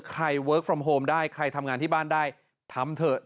เวิร์คฟอร์มโฮมได้ใครทำงานที่บ้านได้ทำเถอะ